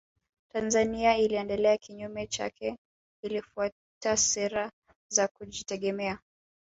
Tanzania ilienda kinyume chake ilifuata sera za kujitegemea